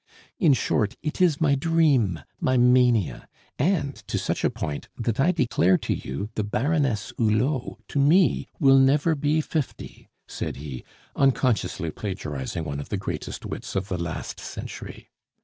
In short, it is my dream, my mania, and to such a point, that I declare to you the Baroness Hulot to me will never be fifty," said he, unconsciously plagiarizing one of the greatest wits of the last century.